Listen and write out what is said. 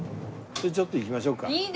ちょっと行きましょうか。